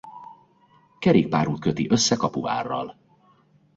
Kerékpárút köti össze Kapuvárral.